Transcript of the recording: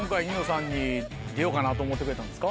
出ようかなと思ってくれたんですか？